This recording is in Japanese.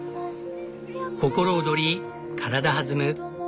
心躍り体弾む